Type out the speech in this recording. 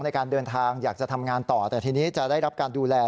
ในการเดินทางอยากจะทำงานต่อแต่ทีนี้จะได้รับการดูแล